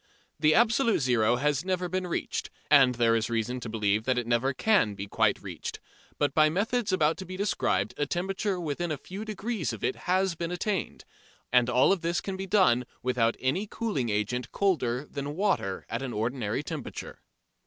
The absolute zero has never been reached, and there is reason to believe that it never can be quite reached, but by methods about to be described a temperature within a few degrees of it has been attained. And all of this can be done without any cooling agent colder than water at an ordinary temperature.